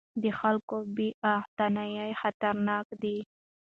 د خلکو بې اعتنايي خطرناکه ده